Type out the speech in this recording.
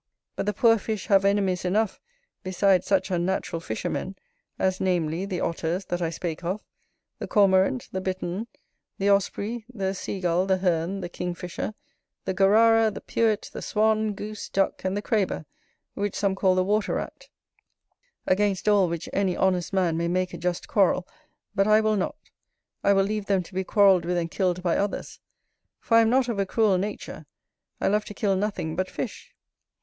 But the poor fish have enemies enough besides such unnatural fishermen; as namely, the Otters that I spake of, the Cormorant, the Bittern, the Osprey, the Sea gull, the Hern, the King fisher, the Gorara, the Puet, the Swan, Goose, Duck, and the Craber, which some call the Water rat: against all which any honest man may make a just quarrel, but I will not; I will leave them to be quarrelled with and killed by others, for I am not of a cruel nature, I love to kill nothing but fish.